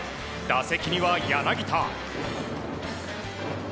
打席には柳田。